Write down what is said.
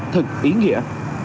thật ý nghĩa